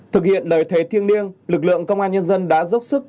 thực hiện lời thề thiêng liêng lực lượng công an nhân dân đã dốc sức